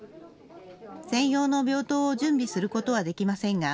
専用の病棟を準備することはできませんが